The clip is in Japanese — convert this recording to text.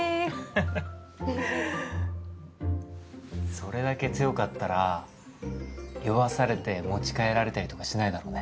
それだけ強かったら酔わされて持ち帰られたりとかしないだろうね。